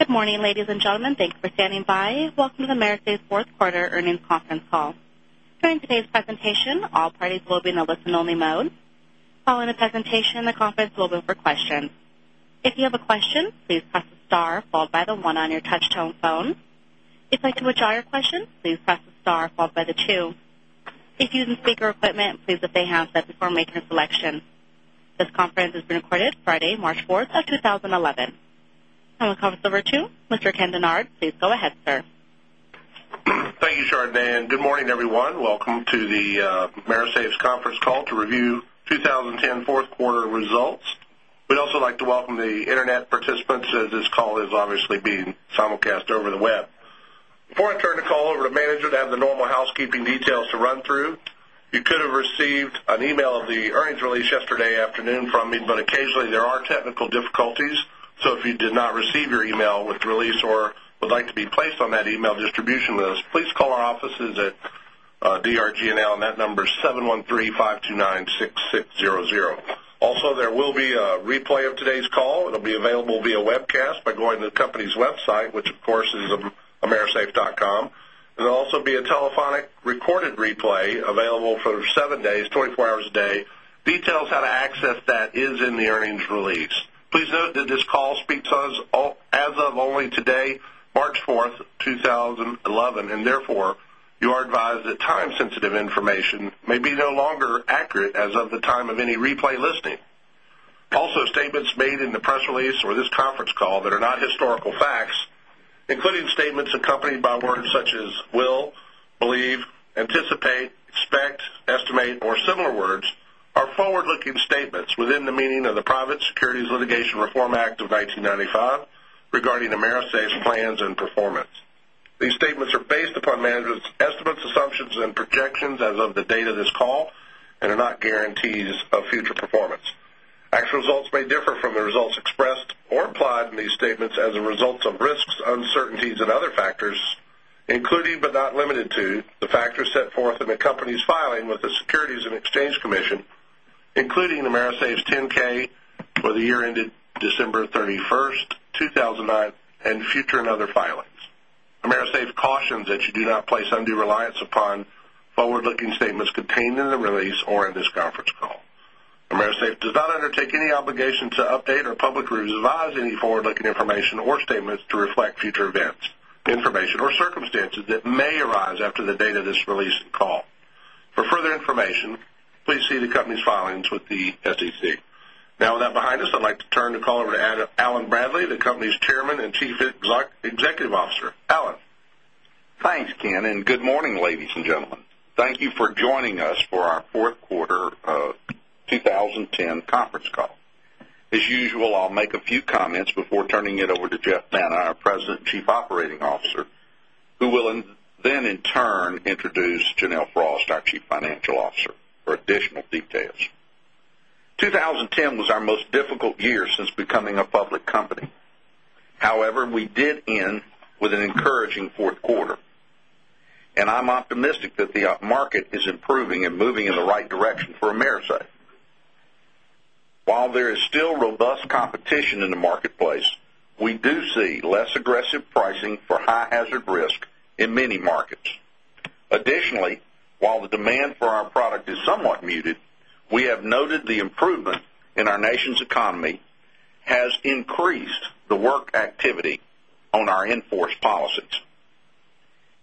Good morning, ladies and gentlemen. Thanks for standing by. Welcome to AMERISAFE's fourth quarter earnings conference call. During today's presentation, all parties will be in a listen-only mode. Following the presentation, the conference will be open for questions. If you have a question, please press star followed by the one on your touch-tone phone. If you'd like to withdraw your question, please press the star followed by the two. If you're using speaker equipment, please lift the handset before making a selection. This conference is being recorded Friday, March 4th, 2011. I will hand the conference over to Mr. Ken Dennard. Please go ahead, sir. Thank you, Chardonn. Good morning, everyone. Welcome to the AMERISAFE's conference call to review 2010 fourth quarter results. We'd also like to welcome the internet participants, as this call is obviously being simulcast over the web. Before I turn the call over to management, I have the normal housekeeping details to run through. You could have received an email of the earnings release yesterday afternoon from me, but occasionally there are technical difficulties. If you did not receive your email with the release or would like to be placed on that email distribution list, please call our offices at DRG&L, and that number is 713-529-6600. There will also be a replay of today's call. It'll be available via webcast by going to the company's website, which of course is amerisafe.com. There'll also be a telephonic recorded replay available for seven days, 24 hours a day. Details how to access that is in the earnings release. Please note that this call speaks as of only today, March 4th, 2011, and therefore, you are advised that time-sensitive information may be no longer accurate as of the time of any replay listening. Statements made in the press release or this conference call that are not historical facts, including statements accompanied by words such as will, believe, anticipate, expect, estimate, or similar words, are forward-looking statements within the meaning of the Private Securities Litigation Reform Act of 1995 regarding AMERISAFE's plans and performance. These statements are based upon management's estimates, assumptions, and projections as of the date of this call and are not guarantees of future performance. Actual results may differ from the results expressed or implied in these statements as a result of risks, uncertainties, and other factors, including but not limited to, the factors set forth in the company's filing with the Securities and Exchange Commission, including AMERISAFE's 10K for the year ended December 31st, 2009, and future and other filings. AMERISAFE cautions that you do not place undue reliance upon forward-looking statements contained in the release or in this conference call. AMERISAFE does not undertake any obligation to update or publicly revise any forward-looking information or statements to reflect future events, information, or circumstances that may arise after the date of this release and call. For further information, please see the company's filings with the SEC. With that behind us, I'd like to turn the call over to Allen Bradley, the company's Chairman and Chief Executive Officer. Allen. Thanks, Ken, and good morning, ladies and gentlemen. Thank you for joining us for our fourth quarter 2010 conference call. As usual, I'll make a few comments before turning it over to Jeff Banta, our President and Chief Operating Officer, who will then in turn introduce Janelle Frost, our Chief Financial Officer, for additional details. 2010 was our most difficult year since becoming a public company. However, we did end with an encouraging fourth quarter, and I'm optimistic that the market is improving and moving in the right direction for AMERISAFE. While there is still robust competition in the marketplace, we do see less aggressive pricing for high hazard risk in many markets. Additionally, while the demand for our product is somewhat muted, we have noted the improvement in our nation's economy has increased the work activity on our in-force policies.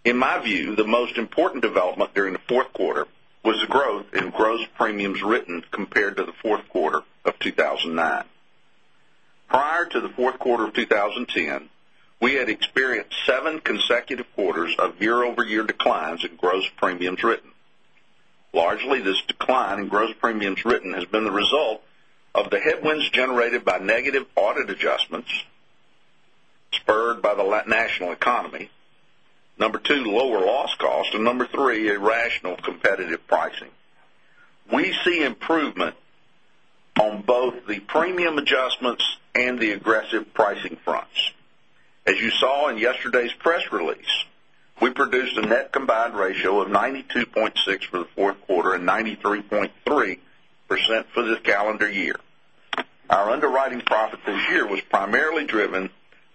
In my view, the most important development during the fourth quarter was the growth in gross premiums written compared to the fourth quarter of 2009. Prior to the fourth quarter of 2010, we had experienced seven consecutive quarters of year-over-year declines in gross premiums written. Largely, this decline in gross premiums written has been the result of the headwinds generated by negative audit adjustments spurred by the national economy. Number two, lower loss cost, and number three, irrational competitive pricing. We see improvement on both the premium adjustments and the aggressive pricing fronts. As you saw in yesterday's press release, we produced a net combined ratio of 92.6 for the fourth quarter and 93.3% for the calendar year. Our underwriting profit this year was primarily driven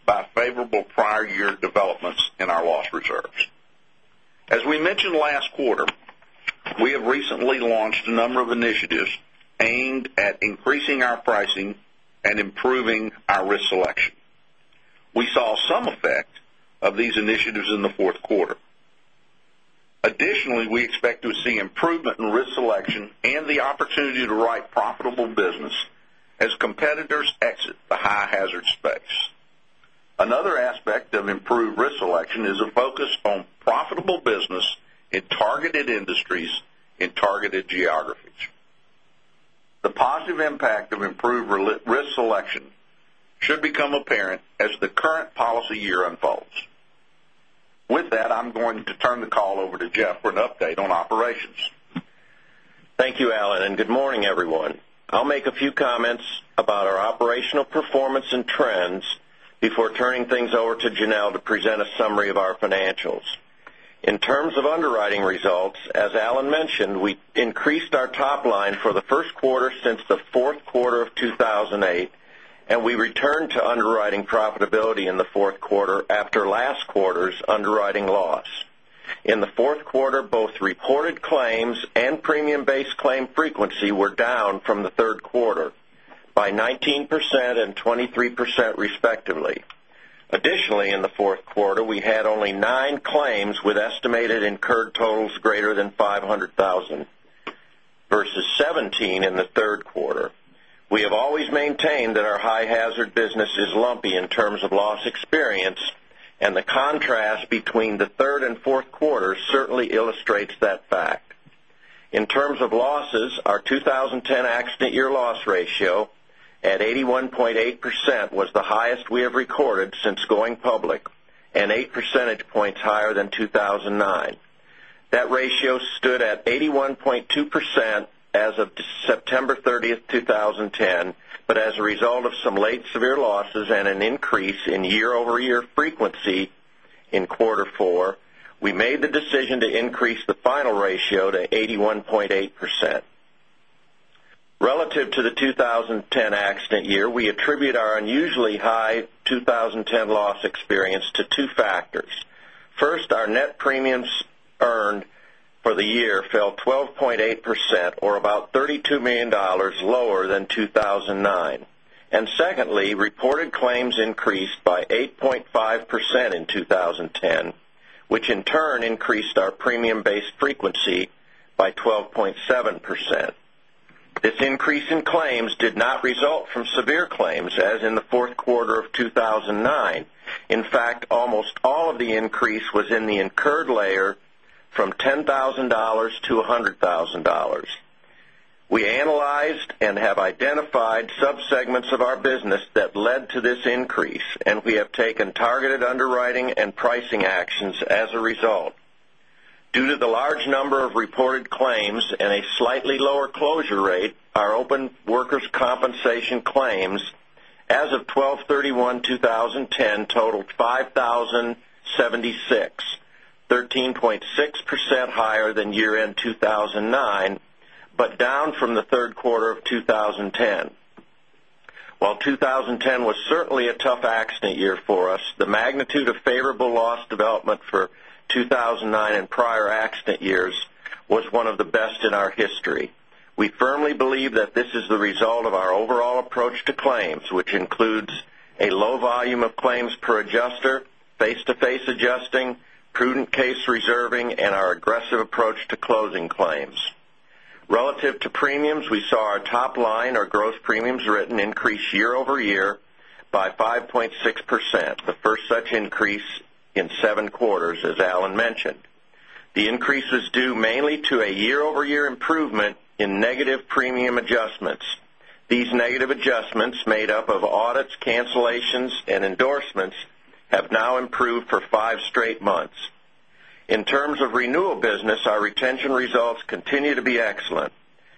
by favorable prior year developments in our loss reserves. As we mentioned last quarter, we have recently launched a number of initiatives aimed at increasing our pricing and improving our risk selection. We saw some effect of these initiatives in the fourth quarter. Additionally, we expect to see improvement in risk selection and the opportunity to write profitable business as competitors exit the high hazard space. Another aspect of improved risk selection is a focus on profitable business in targeted industries, in targeted geographies. The positive impact of improved risk selection should become apparent as the current policy year unfolds. With that, I'm going to turn the call over to Jeff for an update on operations. Thank you, Alan, and good morning, everyone. I'll make a few comments about our operational performance and trends before turning things over to Janelle to present a summary of our financials. In terms of underwriting results, as Alan mentioned, we increased our top line for the first quarter since the fourth quarter of 2008, and we returned to underwriting profitability in the fourth quarter after last quarter's underwriting loss. In the fourth quarter, both reported claims and premium-based claim frequency were down from the third quarter by 19% and 23% respectively. Additionally, in the fourth quarter, we had only nine claims with estimated incurred totals greater than $500,000, versus 17 in the third quarter. We have always maintained that our high-hazard business is lumpy in terms of loss experience, and the contrast between the third and fourth quarter certainly illustrates that fact. In terms of losses, our 2010 accident year loss ratio at 81.8% was the highest we have recorded since going public and eight percentage points higher than 2009. That ratio stood at 81.2% as of September 30, 2010. As a result of some late severe losses and an increase in year-over-year frequency in quarter four, we made the decision to increase the final ratio to 81.8%. Relative to the 2010 accident year, we attribute our unusually high 2010 loss experience to two factors. First, our net premiums earned for the year fell 12.8%, or about $32 million lower than 2009. Secondly, reported claims increased by 8.5% in 2010, which in turn increased our premium-based frequency by 12.7%. This increase in claims did not result from severe claims, as in the fourth quarter of 2009. In fact, almost all of the increase was in the incurred layer from $10,000 to $100,000. We analyzed and have identified subsegments of our business that led to this increase, and we have taken targeted underwriting and pricing actions as a result. Due to the large number of reported claims and a slightly lower closure rate, our open workers' compensation claims as of 12/31/2010 totaled 5,076, 13.6% higher than year-end 2009, but down from the third quarter of 2010. While 2010 was certainly a tough accident year for us, the magnitude of favorable loss development for 2009 and prior accident years was one of the best in our history. We firmly believe that this is the result of our overall approach to claims, which includes a low volume of claims per adjuster, face-to-face adjusting, prudent case reserving, and our aggressive approach to closing claims. Relative to premiums, we saw our top line, our gross premiums written increase year-over-year by 5.6%, the first such increase in seven quarters, as Allen mentioned. The increase was due mainly to a year-over-year improvement in negative premium adjustments. These negative adjustments, made up of audits, cancellations, and endorsements, have now improved for five straight months. In terms of renewal business, our retention results continue to be excellent.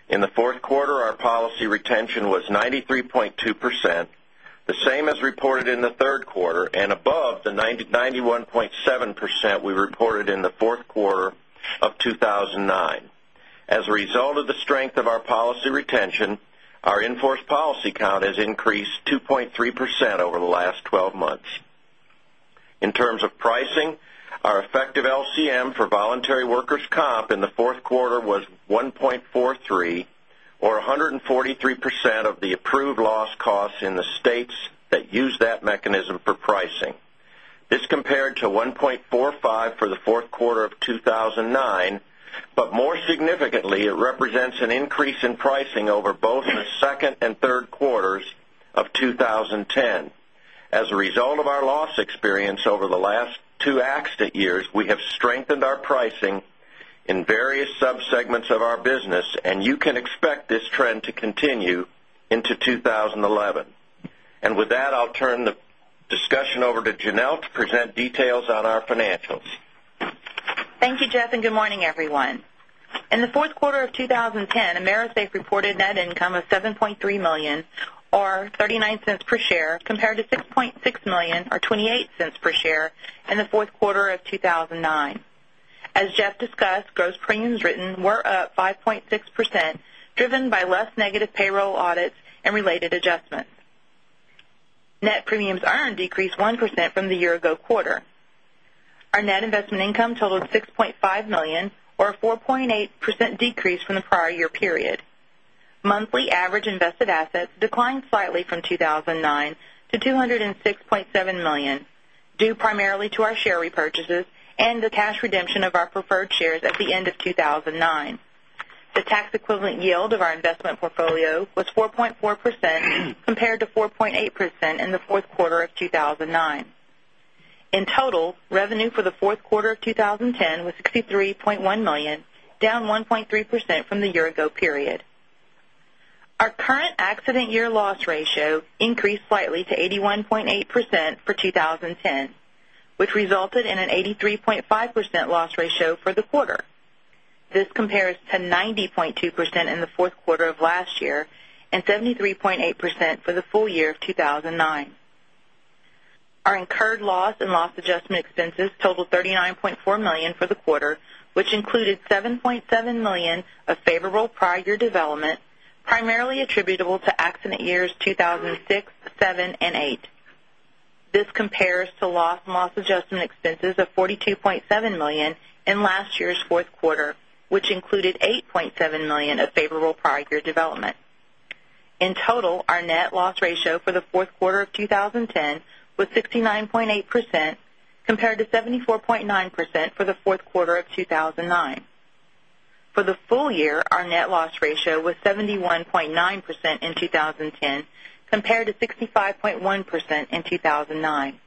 In the fourth quarter, our policy retention was 93.2%, the same as reported in the third quarter, and above the 91.7% we reported in the fourth quarter of 2009. As a result of the strength of our policy retention, our in-force policy count has increased 2.3% over the last 12 months. In terms of pricing, our effective LCM for voluntary workers' comp in the fourth quarter was 1.43 or 143% of the approved loss costs in the states that use that mechanism for pricing. This compared to 1.45 for the fourth quarter of 2009. More significantly, it represents an increase in pricing over both the second and third quarters of 2010. As a result of our loss experience over the last two accident years, we have strengthened our pricing in various subsegments of our business, and you can expect this trend to continue into 2011. With that, I'll turn the discussion over to Janelle to present details on our financials. Thank you, Jeff, and good morning, everyone. In the fourth quarter of 2010, AMERISAFE reported net income of $7.3 million or $0.39 per share compared to $6.6 million or $0.28 per share in the fourth quarter of 2009. As Jeff discussed, gross premiums written were up 5.6%, driven by less negative payroll audits and related adjustments. Net premiums earned decreased 1% from the year-ago quarter. Our net investment income totaled $6.5 million or a 4.8% decrease from the prior year period. Monthly average invested assets declined slightly from 2009 to $206.7 million, due primarily to our share repurchases and the cash redemption of our preferred shares at the end of 2009. The tax equivalent yield of our investment portfolio was 4.4% compared to 4.8% in the fourth quarter of 2009. In total, revenue for the fourth quarter of 2010 was $63.1 million, down 1.3% from the year-ago period. Our current accident year loss ratio increased slightly to 81.8% for 2010, which resulted in an 83.5% loss ratio for the quarter. This compares to 90.2% in the fourth quarter of last year and 73.8% for the full year of 2009. Our incurred loss and loss adjustment expenses totaled $39.4 million for the quarter, which included $7.7 million of favorable prior year development, primarily attributable to accident years 2006, 2007, and 2008. This compares to loss and loss adjustment expenses of $42.7 million in last year's fourth quarter, which included $8.7 million of favorable prior year development. In total, our net loss ratio for the fourth quarter of 2010 was 69.8%, compared to 74.9% for the fourth quarter of 2009. For the full year, our net loss ratio was 71.9% in 2010, compared to 65.1% in 2009.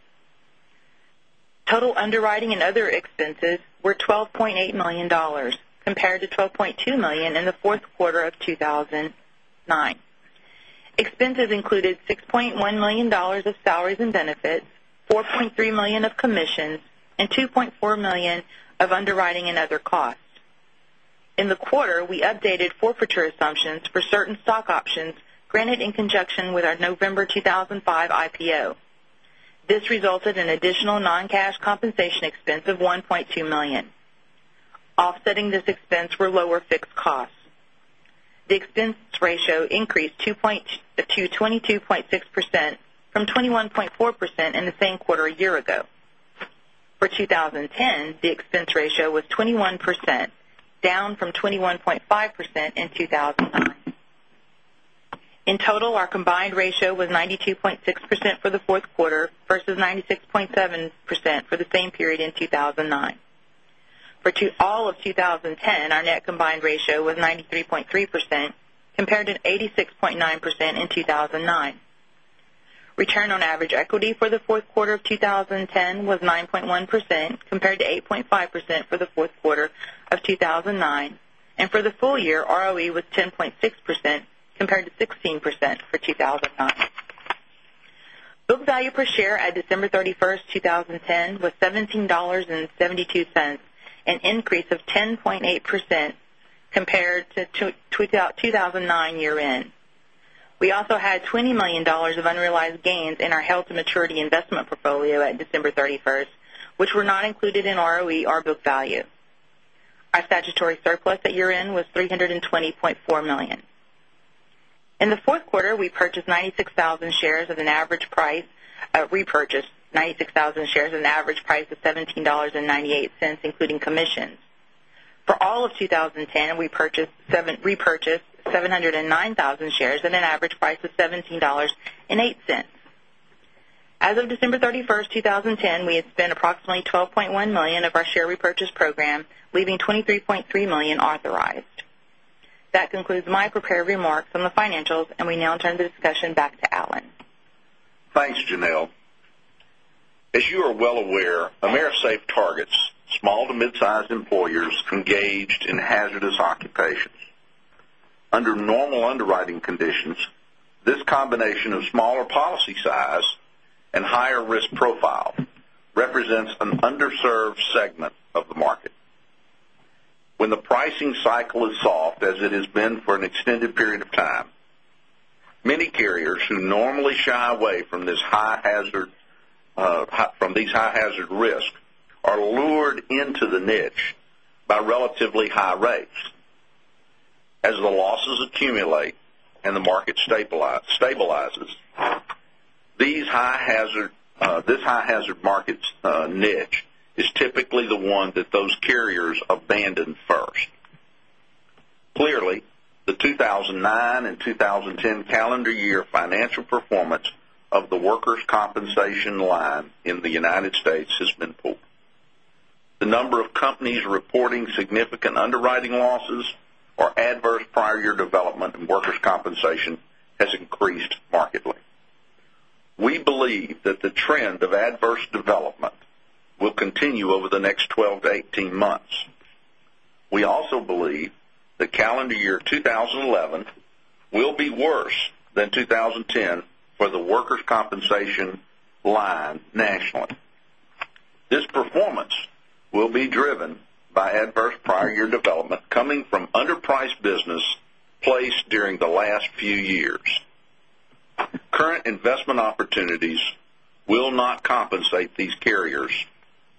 Total underwriting and other expenses were $12.8 million, compared to $12.2 million in the fourth quarter of 2009. Expenses included $6.1 million of salaries and benefits, $4.3 million of commissions, and $2.4 million of underwriting and other costs. In the quarter, we updated forfeiture assumptions for certain stock options granted in conjunction with our November 2005 IPO. This resulted in additional non-cash compensation expense of $1.2 million. Offsetting this expense were lower fixed costs. The expense ratio increased to 22.6%, from 21.4% in the same quarter a year-ago. For 2010, the expense ratio was 21%, down from 21.5% in 2009. In total, our combined ratio was 92.6% for the fourth quarter versus 96.7% for the same period in 2009. For all of 2010, our net combined ratio was 93.3%, compared to 86.9% in 2009. Return on average equity for the fourth quarter of 2010 was 9.1%, compared to 8.5% for the fourth quarter of 2009. For the full year, ROE was 10.6%, compared to 16% for 2009. Book value per share at December 31st, 2010, was $17.72, an increase of 10.8% compared to 2009 year-end. We also had $20 million of unrealized gains in our held-to-maturity investment portfolio at December 31st, which were not included in ROE or book value. Our statutory surplus at year-end was $320.4 million. In the fourth quarter, we repurchased 96,000 shares at an average price of $17.98, including commissions. For all of 2010, we repurchased 709,000 shares at an average price of $17.08. As of December 31st, 2010, we had spent approximately $12.1 million of our share repurchase program, leaving $23.3 million authorized. That concludes my prepared remarks on the financials, and we now turn the discussion back to Allen. Thanks, Janelle. As you are well aware, AMERISAFE targets small to mid-size employers engaged in hazardous occupations. Under normal underwriting conditions, this combination of smaller policy size and higher risk profile represents an underserved segment of the market. When the pricing cycle is soft, as it has been for an extended period of time, many carriers who normally shy away from these high-hazard risks are lured into the niche by relatively high rates. As the losses accumulate and the market stabilizes, this high-hazard market's niche is typically the one that those carriers abandon first. Clearly, the 2009 and 2010 calendar year financial performance of the workers' compensation line in the U.S. has been poor. The number of companies reporting significant underwriting losses or adverse prior year development in workers' compensation has increased markedly. We believe that the trend of adverse development will continue over the next 12-18 months. We also believe that calendar year 2011 will be worse than 2010 for the workers' compensation line nationally. This performance will be driven by adverse prior year development coming from underpriced business placed during the last few years. Current investment opportunities will not compensate these carriers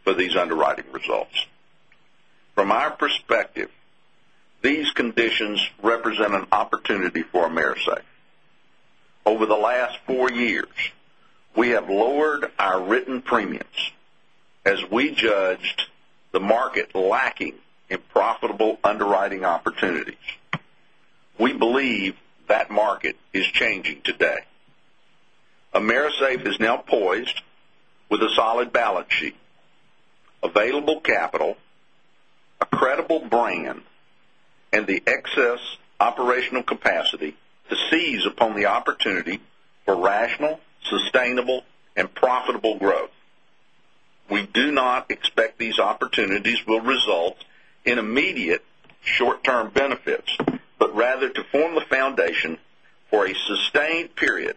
for these underwriting results. From our perspective, these conditions represent an opportunity for AMERISAFE. Over the last four years, we have lowered our written premiums as we judged the market lacking in profitable underwriting opportunities. We believe that market is changing today. AMERISAFE is now poised with a solid balance sheet, available capital, a credible brand, and the excess operational capacity to seize upon the opportunity for rational, sustainable, and profitable growth. We do not expect these opportunities will result in immediate short-term benefits, rather to form the foundation for a sustained period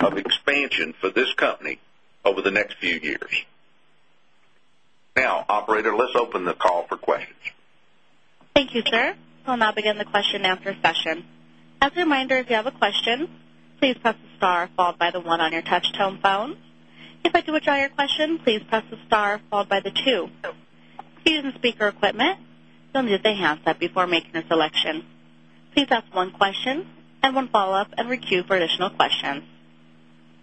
of expansion for this company over the next few years. Now, operator, let's open the call for questions. Thank you, sir. We'll now begin the question answer session. As a reminder, if you have a question, please press star followed by the one on your touch-tone phone. If I do withdraw your question, please press the star followed by the two. If you're using speaker equipment, you'll need to handset before making a selection. Please ask one question and one follow-up and queue for additional questions.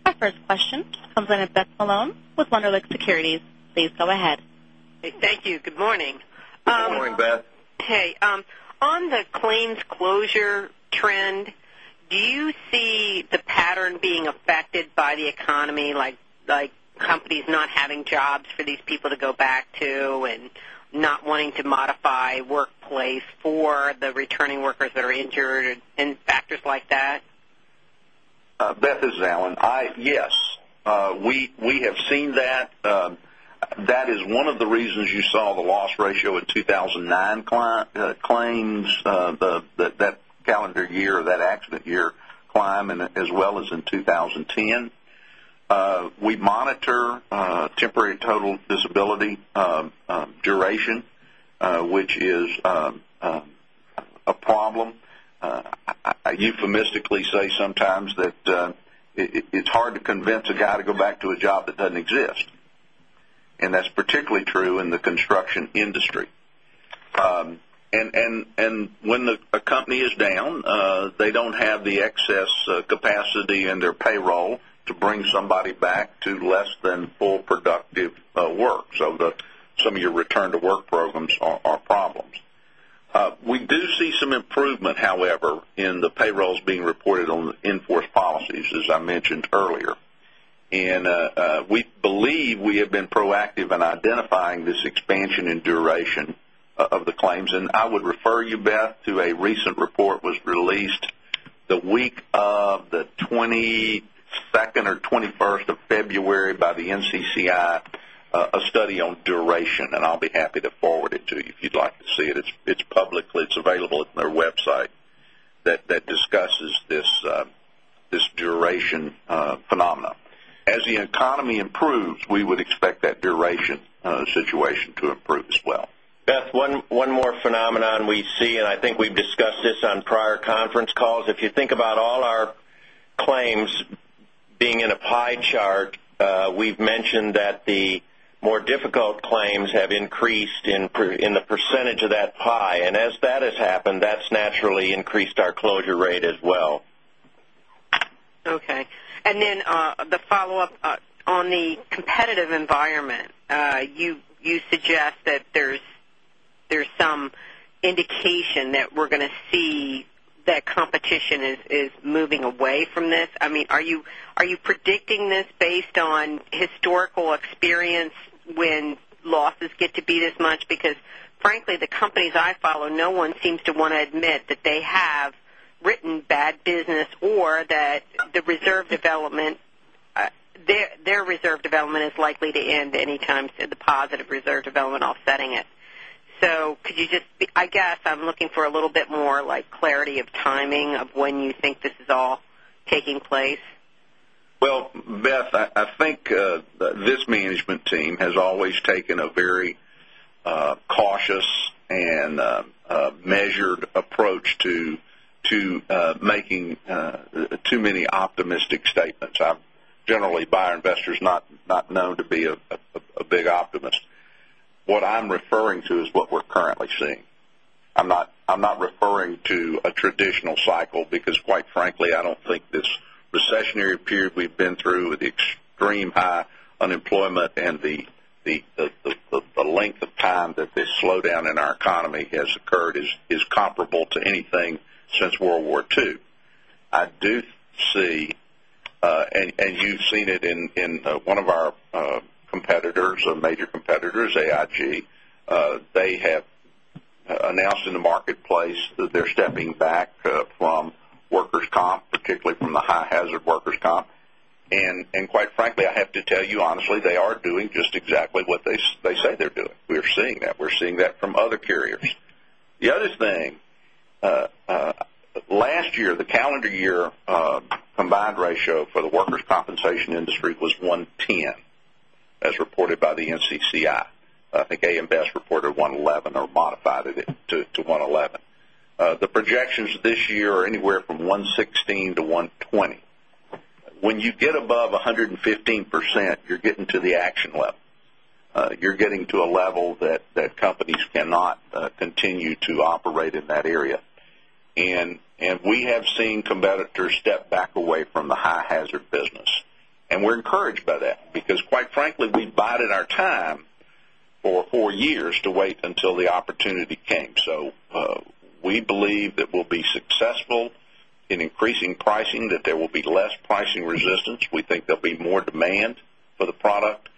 Our first question comes in at Beth Malone with Wunderlich Securities. Please go ahead. Thank you. Good morning. Good morning, Beth. Hey. On the claims closure trend, do you see the pattern being affected by the economy, like companies not having jobs for these people to go back to and not wanting to modify workplace for the returning workers that are injured and factors like that? Beth, this is Allen. Yes, we have seen that. That is one of the reasons you saw the loss ratio in 2009 claims, that calendar year or that accident year climb and as well as in 2010. We monitor temporary total disability duration, which is a problem. I euphemistically say sometimes that it's hard to convince a guy to go back to a job that doesn't exist, and that's particularly true in the construction industry. When a company is down, they don't have the excess capacity in their payroll to bring somebody back to less than full productive work. Some of your return to work programs are problems. We do see some improvement, however, in the payrolls being reported on the in-force policies, as I mentioned earlier. We believe we have been proactive in identifying this expansion and duration of the claims. I would refer you, Beth, to a recent report was released the week of the 22nd or 21st of February by the NCCI, a study on duration, and I'll be happy to forward it to you if you'd like to see it. It's public. It's available at their website that discusses this duration phenomenon. As the economy improves, we would expect that duration situation to improve as well. Beth, one more phenomenon we see, and I think we've discussed this on prior conference calls. If you think about all our claims being in a pie chart, we've mentioned that the more difficult claims have increased in the percentage of that pie. As that has happened, that's naturally increased our closure rate as well. Okay. Then, the follow-up on the competitive environment. You suggest that there's some indication that we're going to see that competition is moving away from this. Are you predicting this based on historical experience when losses get to be this much? Because frankly, the companies I follow, no one seems to want to admit that they have written bad business or that their reserve development is likely to end anytime soon, the positive reserve development offsetting it. Could you just, I guess I'm looking for a little bit more clarity of timing of when you think this is all taking place. Beth, I think this management team has always taken a very cautious and measured approach to making too many optimistic statements. I'm generally by our investors not known to be a big optimist. What I'm referring to is what we're currently seeing. I'm not referring to a traditional cycle because quite frankly, I don't think this recessionary period we've been through with the extreme high unemployment and the length of time that this slowdown in our economy has occurred is comparable to anything since World War II. I do see, and you've seen it in one of our competitors, a major competitor, AIG. They have announced in the marketplace that they're stepping back from workers' comp, particularly from the high hazard workers' comp. Quite frankly, I have to tell you honestly, they are doing just exactly what they say they're doing. We're seeing that. We're seeing that from other carriers. The other thing, last year, the calendar year combined ratio for the workers' compensation industry was 110, as reported by the NCCI. I think AM Best reported 111 or modified it to 111. The projections this year are anywhere from 116 to 120. When you get above 115%, you're getting to the action level. You're getting to a level that companies cannot continue to operate in that area. We have seen competitors step back away from the high hazard business. We're encouraged by that because quite frankly, we bided our time for four years to wait until the opportunity came. We believe that we'll be successful in increasing pricing, that there will be less pricing resistance. We think there'll be more demand for the product.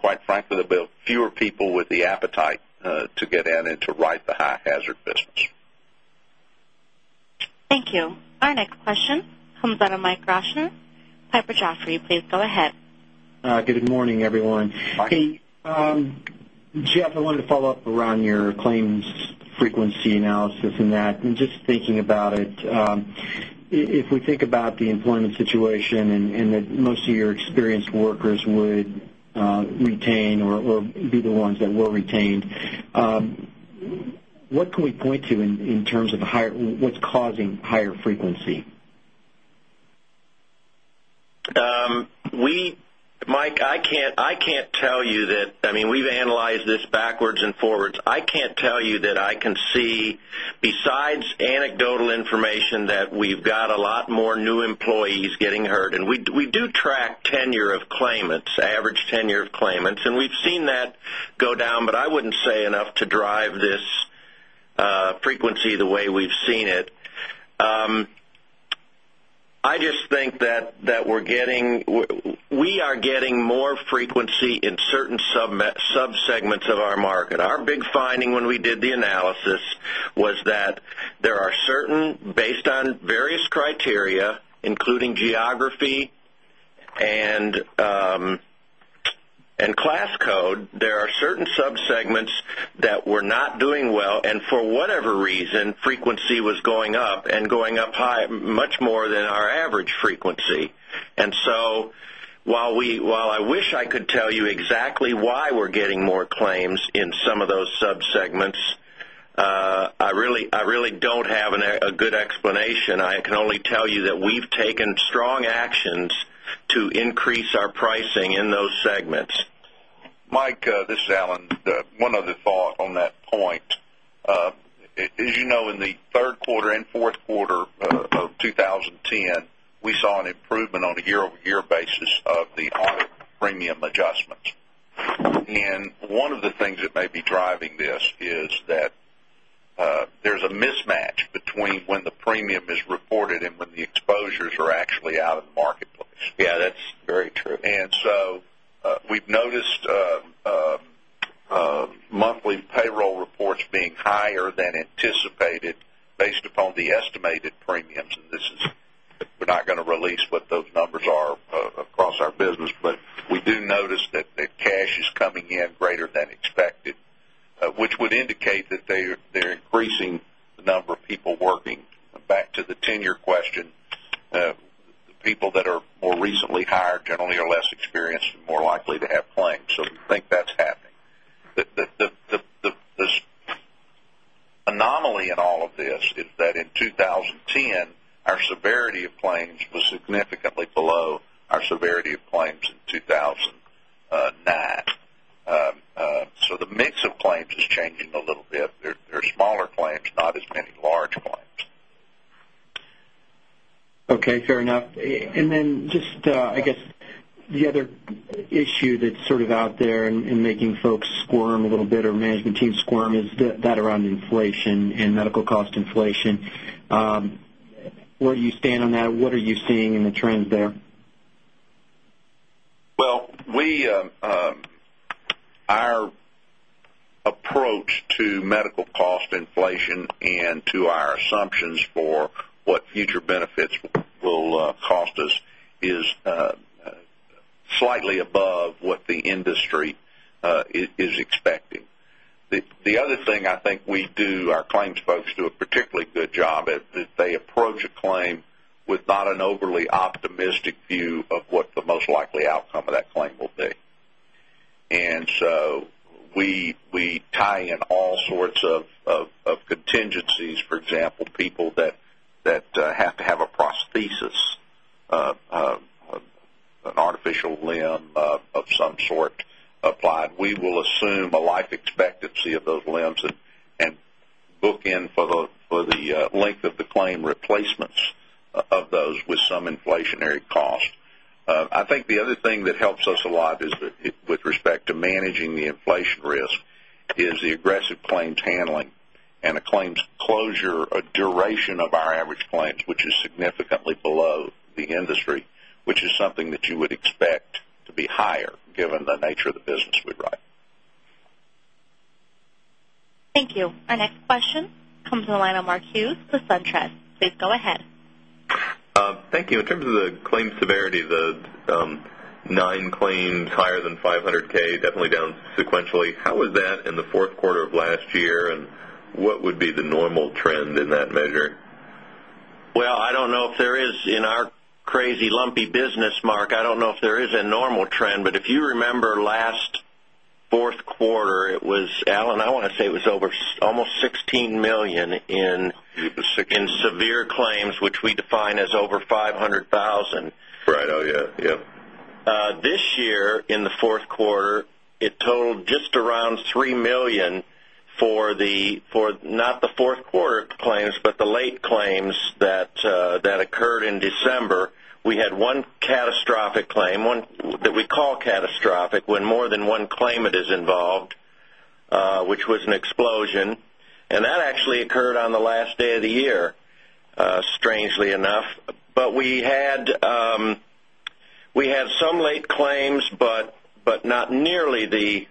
Quite frankly, there'll be fewer people with the appetite to get in and to write the high hazard business. Thank you. Our next question comes out of Michael Rosner, Piper Jaffray. Please go ahead. Good morning, everyone. Mike. Jeff, I wanted to follow up around your claims frequency analysis and that, and just thinking about it. If we think about the employment situation and that most of your experienced workers would retain or be the ones that were retained, what can we point to in terms of what's causing higher frequency? Mike, we've analyzed this backwards and forwards. I can't tell you that I can see, besides anecdotal information, that we've got a lot more new employees getting hurt. We do track average tenure of claimants, and we've seen that go down, but I wouldn't say enough to drive this frequency the way we've seen it. I just think that we are getting more frequency in certain sub-segments of our market. Our big finding when we did the analysis was that based on various criteria, including geography and class code, there are certain sub-segments that were not doing well, and for whatever reason, frequency was going up and going up much more than our average frequency. While I wish I could tell you exactly why we're getting more claims in some of those sub-segments, I really don't have a good explanation. I can only tell you that we've taken strong actions to increase our pricing in those segments. Mike, this is Allen. One other thought on that point. As you know, in the third quarter and fourth quarter of 2010, we saw an improvement on a year-over-year basis of the audit premium adjustments. One of the things that may be driving this is that there's a mismatch between when the premium is reported and when the exposures are actually out in the marketplace. Yeah, that's very true. We've noticed monthly payroll reports being higher than anticipated based upon the estimated premiums. We're not going to release what those numbers are across our business. We do notice that cash is coming in greater than expected, which would indicate that they're increasing the number of people working. Back to the tenure question, the people that are more recently hired generally are less experienced and more likely to have claims. We think that's happening. The anomaly in all of this is that in 2010, our severity of claims was significantly below our severity of claims in 2009. The mix of claims is changing a little bit. There are smaller claims, not as many large claims. Okay, fair enough. Just, I guess the other issue that's sort of out there and making folks squirm a little bit, or management team squirm, is that around inflation and medical cost inflation. Where do you stand on that? What are you seeing in the trends there? Our approach to medical cost inflation and to our assumptions for what future benefits will cost us is slightly above what the industry is expecting. The other thing I think our claims folks do a particularly good job at, is they approach a claim with not an overly optimistic view of what the most likely outcome of that claim will be. We tie in all sorts of contingencies. For example, people that have to have a prosthesis, an artificial limb of some sort applied. We will assume a life expectancy of those limbs and book in for the length of the claim replacements of those with some inflationary cost. I think the other thing that helps us a lot with respect to managing the inflation risk is the aggressive claims handling and a claim's closure duration of our average claims, which is significantly below the industry, which is something that you would expect to be higher given the nature of the business we write. Thank you. Our next question comes on the line of Mark Hughes with SunTrust. Please go ahead. Thank you. In terms of the claims severity, the nine claims higher than $500K, definitely down sequentially. How was that in the fourth quarter of last year, and what would be the normal trend in that measure? Well, I don't know if there is, in our crazy lumpy business, Mark, I don't know if there is a normal trend. If you remember last fourth quarter, it was, Alan, I want to say it was almost $16 million in- It was $16 million. -in severe claims, which we define as over $500,000. Right. Oh, yeah. This year in the fourth quarter, it totaled just around $3 million for not the fourth quarter claims, but the late claims that occurred in December. We had one catastrophic claim, that we call catastrophic when more than one claimant is involved, which was an explosion. That actually occurred on the last day of the year, strangely enough. We had some late claims, but not nearly the level.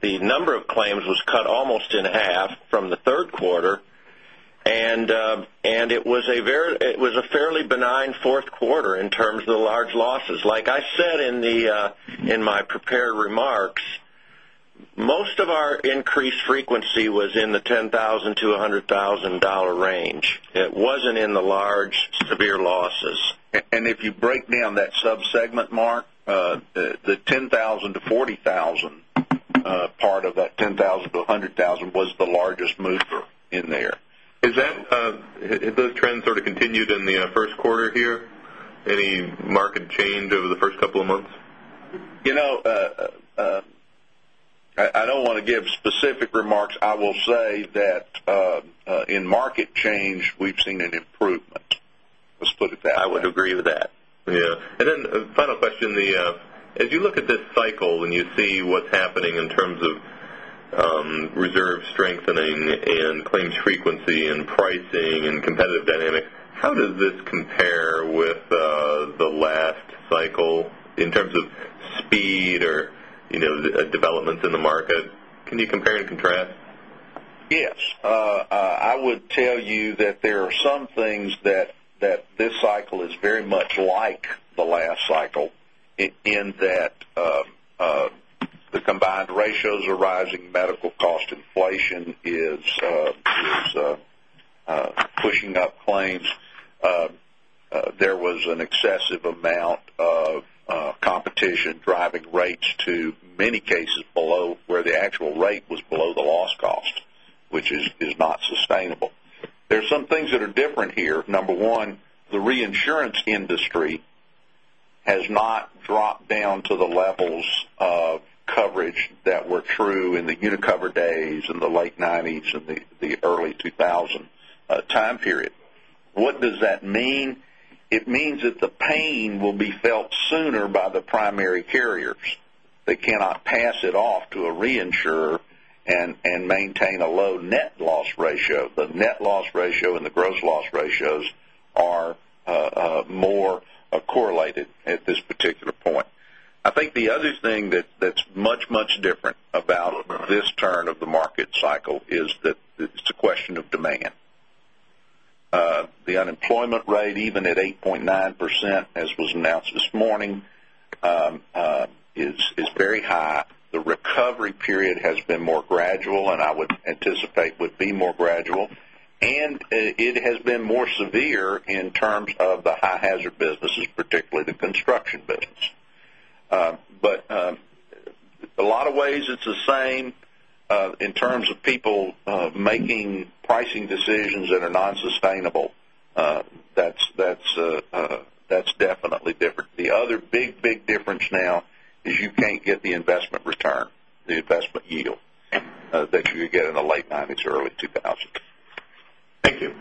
The number of claims was cut almost in half from the third quarter. It was a fairly benign fourth quarter in terms of the large losses. Like I said in my prepared remarks, most of our increased frequency was in the $10,000-$100,000 range. It wasn't in the large, severe losses. If you break down that sub-segment, Mark, the $10,000-$40,000 part of that $10,000-$100,000 was the largest mover in there. Have those trends sort of continued in the first quarter here? Any market change over the first couple of months? I don't want to give specific remarks. I will say that in market change, we've seen an improvement. Let's put it that way. I would agree with that. Yes. Final question. As you look at this cycle and you see what's happening in terms of reserve strengthening and claims frequency and pricing and competitive dynamics, how does this compare with the last cycle in terms of speed or developments in the market? Can you compare and contrast? Yes. I would tell you that there are some things that this cycle is very much like the last cycle in that the combined ratios are rising, medical cost inflation is pushing up claims. There was an excessive amount of competition driving rates to many cases below where the actual rate was below the loss cost, which is not sustainable. There's some things that are different here. Number one, the reinsurance industry has not dropped down to the levels of coverage that were true in the Unicover days, in the late 1990s and the early 2000 time period. What does that mean? It means that the pain will be felt sooner by the primary carriers. They cannot pass it off to a reinsurer and maintain a low net loss ratio. The net loss ratio and the gross loss ratios are more correlated at this particular point. I think the other thing that's much different about this turn of the market cycle is that it's a question of demand. The unemployment rate, even at 8.9%, as was announced this morning, is very high. The recovery period has been more gradual and I would anticipate would be more gradual. It has been more severe in terms of the high hazard businesses, particularly the construction business. A lot of ways it's the same in terms of people making pricing decisions that are non-sustainable. That's definitely different. The other big difference now is you can't get the investment return, the investment yield that you could get in the late 1990s or early 2000s. Thank you.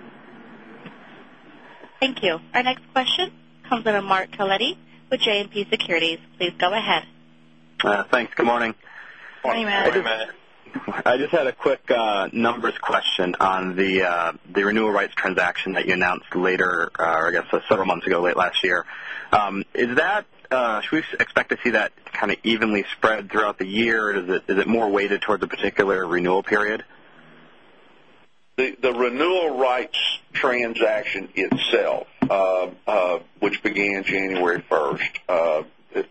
Thank you. Our next question comes in Matthew Carletti with JMP Securities. Please go ahead. Thanks. Good morning. Morning. Good morning. I just had a quick numbers question on the renewal rights transaction that you announced later, or I guess several months ago, late last year. Should we expect to see that kind of evenly spread throughout the year? Is it more weighted towards a particular renewal period? The renewal rights transaction itself, which began January 1st,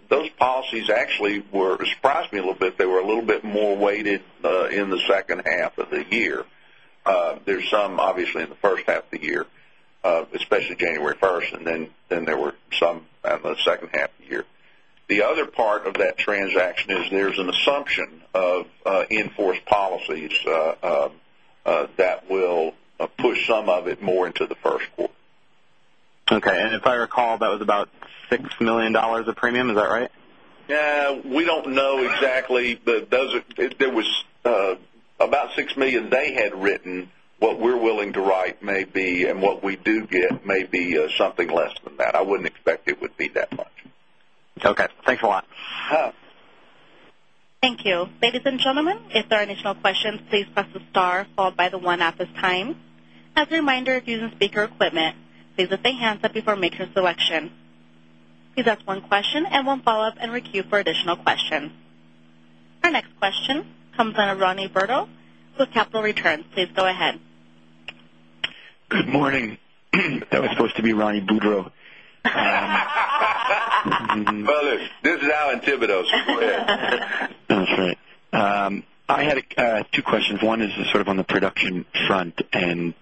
those policies actually surprised me a little bit. They were a little bit more weighted in the second half of the year. There's some obviously in the first half of the year, especially January 1st, and then there were some in the second half of the year. The other part of that transaction is there's an assumption of in-force policies that will push some of it more into the first quarter. Okay. If I recall, that was about $6 million of premium. Is that right? We don't know exactly. There was about $6 million they had written. What we're willing to write may be, and what we do get may be something less than that. I wouldn't expect it would be that much. Okay. Thanks a lot. Thank you. Ladies and gentlemen, if there are additional questions, please press the star followed by the one at this time. As a reminder, if you're using speaker equipment, please raise your hands up before making a selection. Please ask one question and one follow-up and re-queue for additional questions. Our next question comes in Ron Boudreaux with Capital Returns. Please go ahead. Good morning. That was supposed to be Ron Boudreaux. Well, look, this is C. Allen Bradley. Go ahead. That's right. I had two questions. One is sort of on the production front and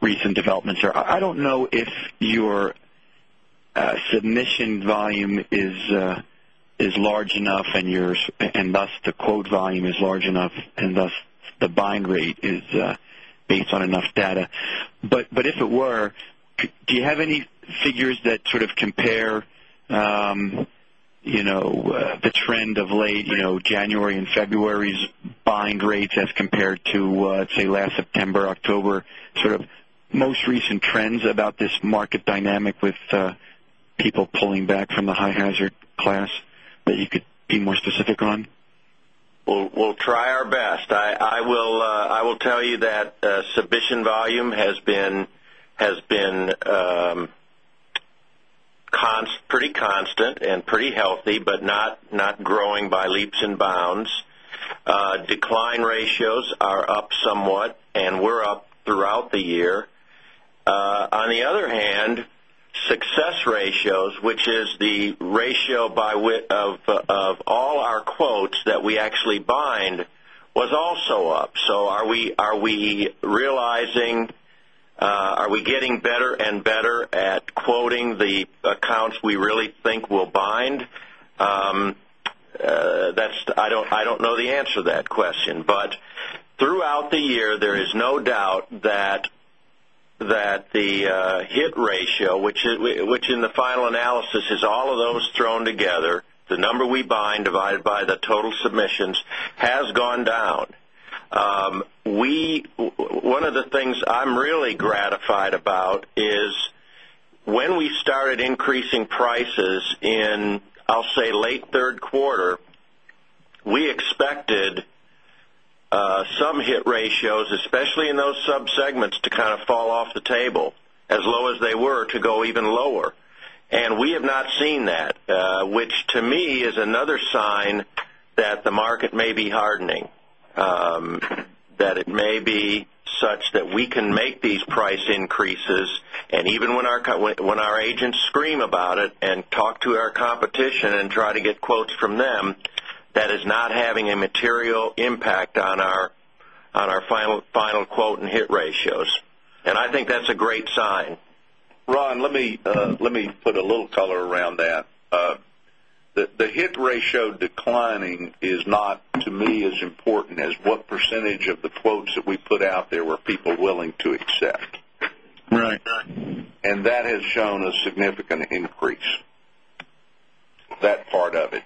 recent developments there. I don't know if your submission volume is large enough and thus the quote volume is large enough and thus the bind rate is based on enough data. If it were, do you have any figures that sort of compare the trend of late January and February's bind rates as compared to, let's say, last September, October, sort of most recent trends about this market dynamic with people pulling back from the high hazard class that you could be more specific on? We'll try our best. I will tell you that submission volume has been Pretty constant and pretty healthy, but not growing by leaps and bounds. Decline ratios are up somewhat, and were up throughout the year. On the other hand, success ratios, which is the ratio of all our quotes that we actually bind, was also up. Are we getting better and better at quoting the accounts we really think will bind? I don't know the answer to that question, throughout the year, there is no doubt that the hit ratio, which in the final analysis is all of those thrown together, the number we bind divided by the total submissions, has gone down. One of the things I'm really gratified about is when we started increasing prices in, I'll say, late third quarter, we expected some hit ratios, especially in those sub-segments, to kind of fall off the table. As low as they were, to go even lower. We have not seen that, which to me is another sign that the market may be hardening. That it may be such that we can make these price increases, and even when our agents scream about it and talk to our competition and try to get quotes from them, that is not having a material impact on our final quote and hit ratios. I think that's a great sign. Ron, let me put a little color around that. The hit ratio declining is not, to me, as important as what % of the quotes that we put out there were people willing to accept. Right. That has shown a significant increase. That part of it.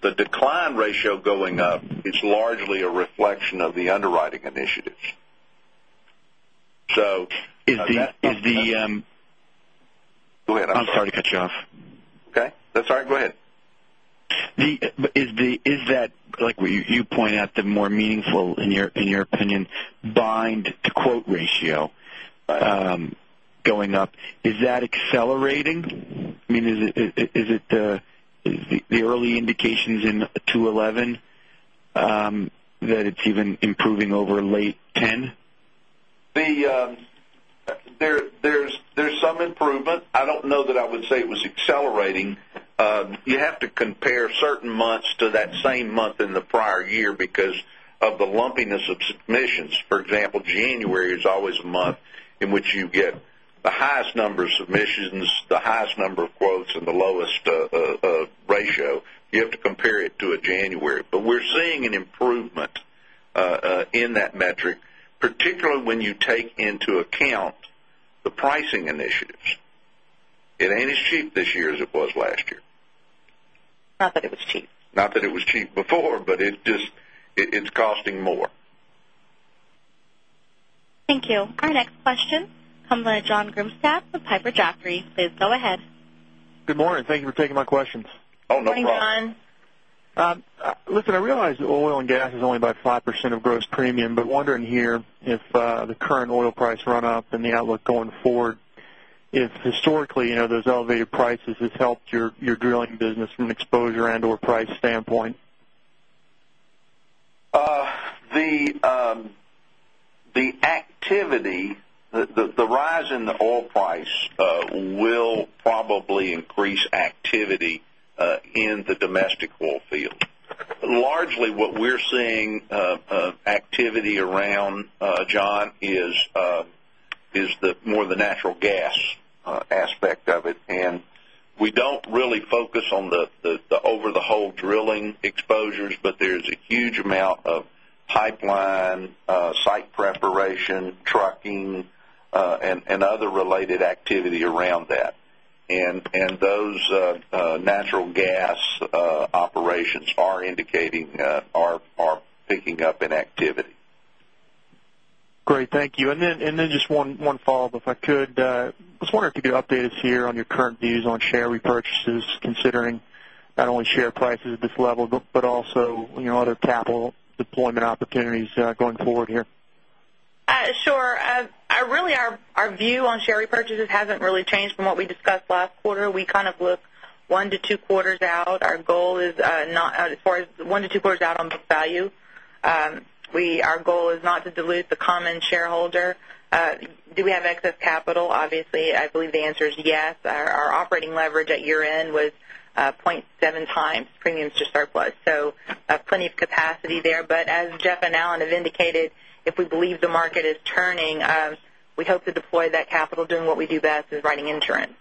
The decline ratio going up is largely a reflection of the underwriting initiatives. Is the- Go ahead. I'm sorry. I'm sorry to cut you off. Okay. That's all right. Go ahead. You point out the more meaningful, in your opinion, bind-to-quote ratio going up. Is that accelerating? Is it the early indications in 2011 that it's even improving over late 2010? There's some improvement. I don't know that I would say it was accelerating. You have to compare certain months to that same month in the prior year because of the lumpiness of submissions. For example, January is always a month in which you get the highest number of submissions, the highest number of quotes, and the lowest ratio. You have to compare it to a January. We're seeing an improvement in that metric, particularly when you take into account the pricing initiatives. It ain't as cheap this year as it was last year. Not that it was cheap. Not that it was cheap before, but it's costing more. Thank you. Our next question comes from John Grimstad with Piper Jaffray. Please go ahead. Good morning. Thank you for taking my questions. Oh, no problem. Morning, John. Listen, I realize oil and gas is only about 5% of gross premium, but wondering here if the current oil price run-up and the outlook going forward, if historically, those elevated prices has helped your drilling business from an exposure and/or price standpoint. The rise in the oil price will probably increase activity in the domestic oil field. Largely what we're seeing activity around, John, is more the natural gas aspect of it. We don't really focus on the over-the-hole drilling exposures, but there's a huge amount of pipeline, site preparation, trucking, and other related activity around that. Those natural gas operations are indicating picking up in activity. Great. Thank you. Just one follow-up, if I could. I was wondering if you could update us here on your current views on share repurchases, considering not only share prices at this level, but also other capital deployment opportunities going forward here. Sure. Really our view on share repurchases hasn't really changed from what we discussed last quarter. We kind of look one to two quarters out on book value. Our goal is not to dilute the common shareholder. Do we have excess capital? Obviously, I believe the answer is yes. Our operating leverage at year-end was 0.7 times premiums to surplus, so plenty of capacity there. As Jeff and Alan have indicated, if we believe the market is turning, we hope to deploy that capital doing what we do best, is writing insurance.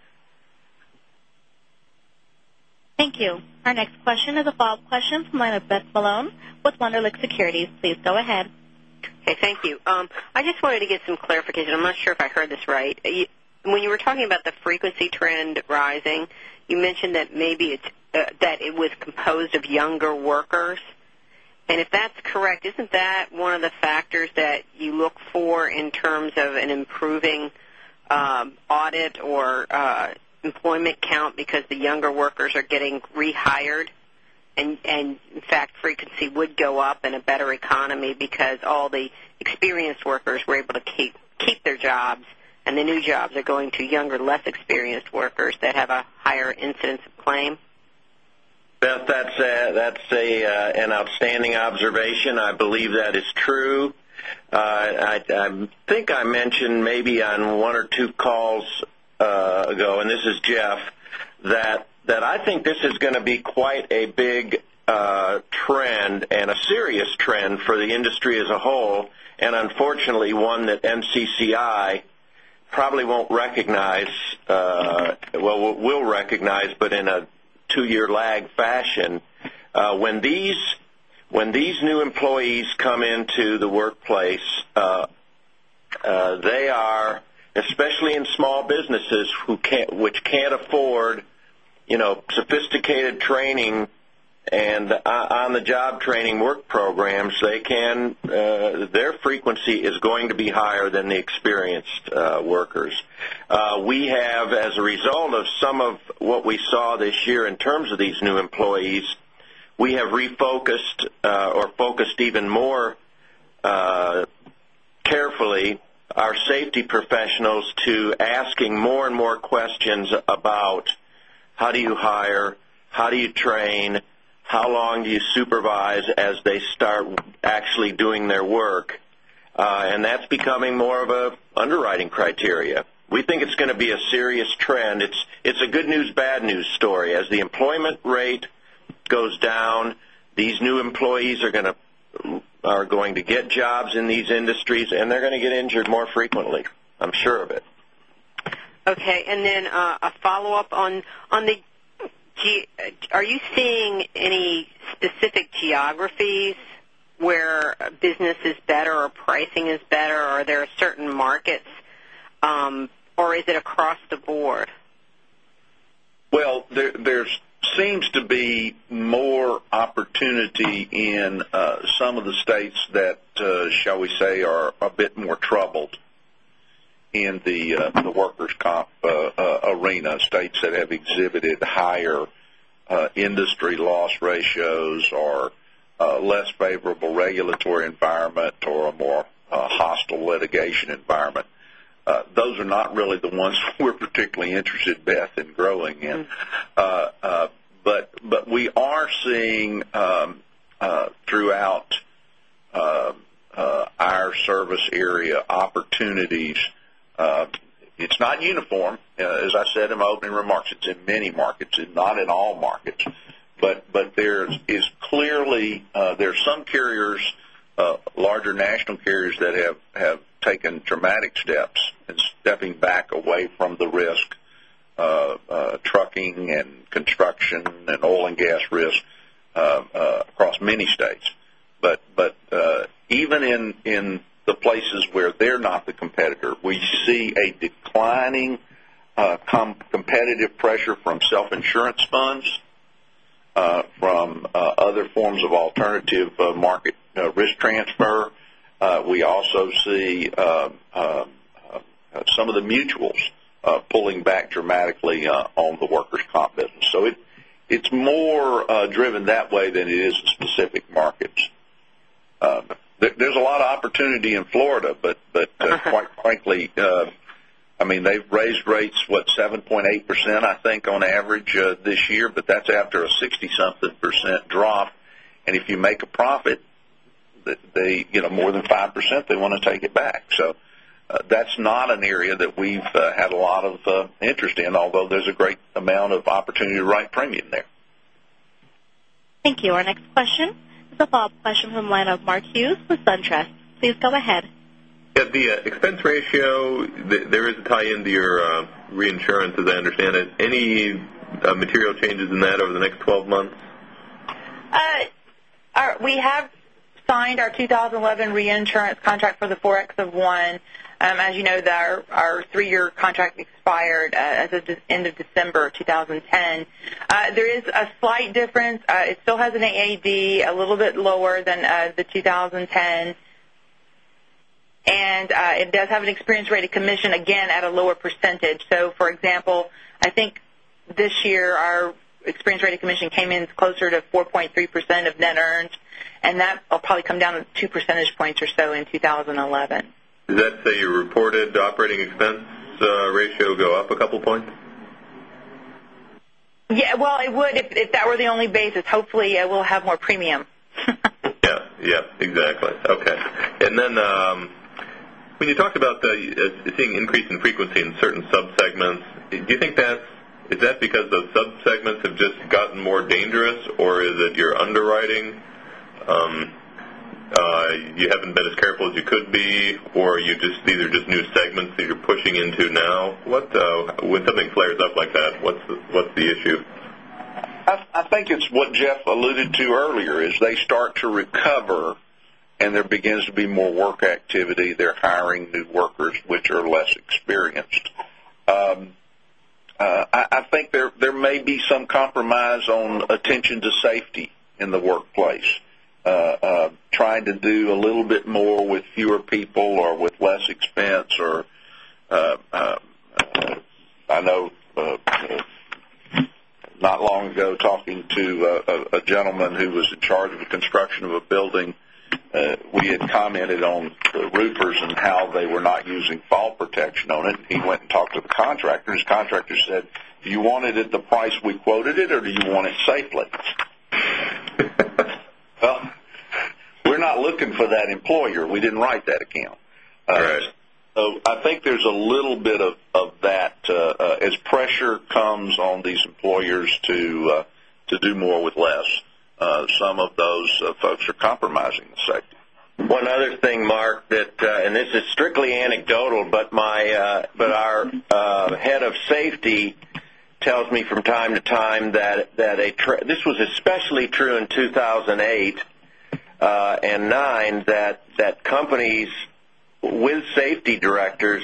Thank you. Our next question is a follow-up question from Beth Malone with Wunderlich Securities. Please go ahead. Okay. Thank you. I just wanted to get some clarification. I'm not sure if I heard this right. When you were talking about the frequency trend rising, you mentioned that it was composed of younger workers. If that's correct, isn't that one of the factors that you look for in terms of an improving audit or employment count because the younger workers are getting rehired? In fact, frequency would go up in a better economy because all the experienced workers were able to keep their jobs, and the new jobs are going to younger, less experienced workers that have a higher incidence of claim. Beth, that's an outstanding observation. I believe that is true. I think I mentioned maybe on one or two calls ago, and this is Jeff, that I think this is going to be quite a big trend and a serious trend for the industry as a whole, and unfortunately, one that NCCI probably won't recognize. Well, will recognize, but in a two-year lag fashion. When these new employees come into the workplace, they are, especially in small businesses which can't afford sophisticated training and on-the-job training work programs. Their frequency is going to be higher than the experienced workers. We have, as a result of some of what we saw this year in terms of these new employees, we have refocused or focused even more carefully our safety professionals to asking more and more questions about how do you hire, how do you train, how long do you supervise as they start actually doing their work? That's becoming more of a underwriting criteria. We think it's going to be a serious trend. It's a good news, bad news story. As the employment rate goes down, these new employees are going to get jobs in these industries, and they're going to get injured more frequently. I'm sure of it. Okay. A follow-up on the-- Are you seeing any specific geographies where business is better or pricing is better, or are there certain markets, or is it across the board? Well, there seems to be more opportunity in some of the states that, shall we say, are a bit more troubled in the workers' comp arena, states that have exhibited higher industry loss ratios or a less favorable regulatory environment or a more hostile litigation environment. Those are not really the ones we're particularly interested, Beth, in growing in. We are seeing throughout our service area opportunities. It's not uniform. As I said in my opening remarks, it's in many markets, not in all markets. There's clearly some carriers, larger national carriers, that have taken dramatic steps in stepping back away from the risk of trucking and construction and oil and gas risk across many states. Even in the places where they're not the competitor, we see a declining competitive pressure from self-insurance funds, from other forms of alternative market risk transfer. We also see some of the mutuals pulling back dramatically on the workers' comp business. It's more driven that way than it is to specific markets. There's a lot of opportunity in Florida, but quite frankly, they've raised rates, what, 7.8%, I think, on average this year, but that's after a sixty-something % drop. If you make a profit more than 5%, they want to take it back. That's not an area that we've had a lot of interest in, although there's a great amount of opportunity to write premium there. Thank you. Our next question is a follow-up question from the line of Mark Hughes with SunTrust. Please go ahead. Yeah. The expense ratio, there is a tie into your reinsurance, as I understand it. Any material changes in that over the next 12 months? We have signed our 2011 reinsurance contract for the 4X of one. As you know, our three-year contract expired as of end of December 2010. There is a slight difference. It still has an AAD, a little bit lower than the 2010, and it does have an experience-rated commission, again, at a lower percentage. For example, I think this year our experience-rated commission came in closer to 4.3% of net earned, and that will probably come down to two percentage points or so in 2011. Does that say your reported operating expense ratio go up a couple points? Yeah. Well, it would if that were the only basis. Hopefully, it will have more premium. Yeah. Exactly. Okay. When you talked about seeing increase in frequency in certain subsegments, is that because those subsegments have just gotten more dangerous, or is it your underwriting? You haven't been as careful as you could be, or these are just new segments that you're pushing into now. When something flares up like that, what's the issue? I think it's what Jeff Banta alluded to earlier is they start to recover, there begins to be more work activity. They're hiring new workers, which are less experienced. I think there may be some compromise on attention to safety in the workplace. Trying to do a little bit more with fewer people or with less expense or- I know, not long ago, talking to a gentleman who was in charge of the construction of a building. We had commented on the roofers and how they were not using fall protection on it. His contractor said, "Do you want it at the price we quoted it, or do you want it safely?" Well, we're not looking for that employer. We didn't write that account. Right. I think there's a little bit of that as pressure comes on these employers to do more with less. Some of those folks are compromising safety. One other thing, Mark, this is strictly anecdotal, our head of safety tells me from time to time that, this was especially true in 2008 and 2009, that companies with safety directors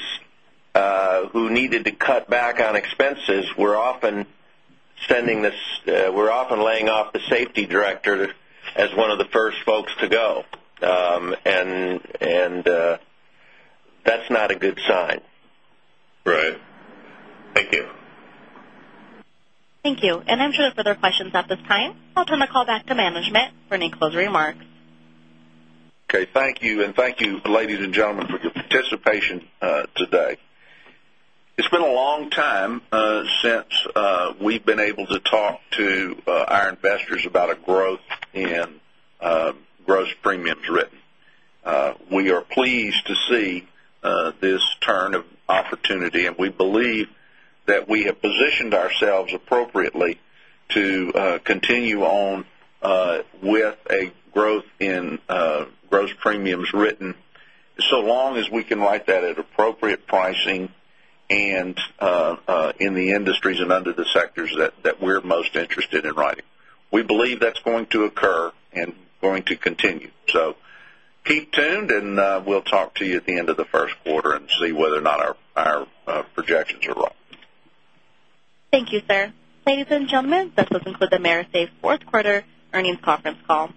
who needed to cut back on expenses were often laying off the safety director as one of the first folks to go. That's not a good sign. Right. Thank you. Thank you. I'm sure there are further questions at this time. I'll turn the call back to management for any closing remarks. Okay. Thank you, and thank you, ladies and gentlemen, for your participation today. It's been a long time since we've been able to talk to our investors about a growth in gross premiums written. We are pleased to see this turn of opportunity, we believe that we have positioned ourselves appropriately to continue on with a growth in gross premiums written, so long as we can write that at appropriate pricing and in the industries and under the sectors that we're most interested in writing. We believe that's going to occur and going to continue. Keep tuned, and we'll talk to you at the end of the first quarter and see whether or not our projections are right. Thank you, sir. Ladies and gentlemen, this concludes AMERISAFE fourth quarter earnings conference call.